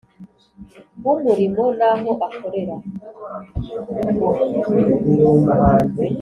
w umurimo n aho akorera